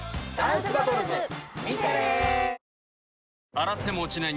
洗っても落ちない